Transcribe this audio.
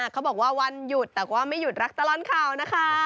เขาบอกว่าวันหยุดแต่ก็ไม่หยุดรักตลอดข่าวนะคะ